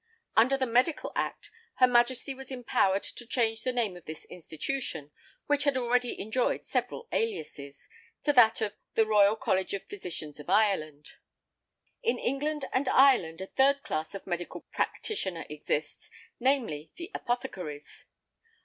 Under the Medical Act, Her Majesty was empowered to change the name of this institution (which had already enjoyed several aliases), to that of "The Royal College of Physicians of Ireland." In England and Ireland a third class of medical practitioners exists, namely, the apothecaries.